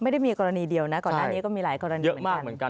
ไม่ได้มีกรณีเดียวนะก่อนหน้านี้ก็มีหลายกรณีเยอะมากเหมือนกัน